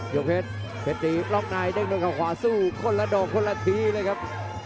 ยกเพชรเพชรตีล็อกในเด้งด้วยเขาขวาสู้คนละดอกคนละทีเลยครับ